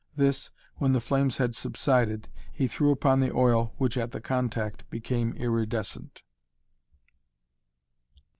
This, when the flames had subsided, he threw upon the oil which at the contact became iridescent.